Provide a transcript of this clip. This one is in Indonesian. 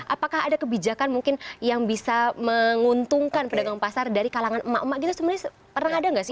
apakah ada kebijakan mungkin yang bisa menguntungkan pedagang pasar dari kalangan emak emak gitu sebenarnya pernah ada nggak sih